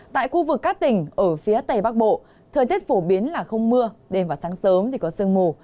tại khu vực các tỉnh ở phía tây bắc bộ thời tiết phổ biến là không mưa đêm và sáng sớm thì có sương mù